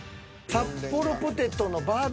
サッポロポテトのバーベ